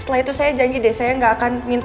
setelah itu saya janji deh saya gak akan minta